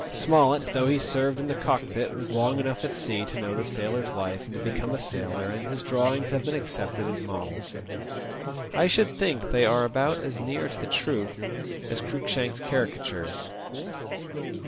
Smollett, though he served in the cockpit, was long enough at sea to know the sailor^s life and to become a sailor, and his drawings have been accepted as models. I should think they are about as near to the truth as Cruikshank's caricatures.